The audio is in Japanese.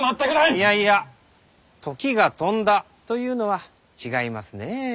いやいや「時が飛んだ」というのは違いますねェー。